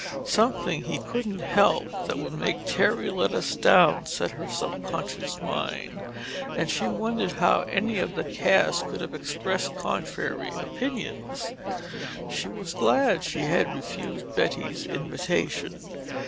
"Something he couldn't help—that's what made Terry let us down," said her subconscious mind, and she wondered how any of the cast could have expressed contrary opinions. She was glad she had refused Betty's invitation.